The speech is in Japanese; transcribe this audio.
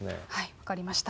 分かりました。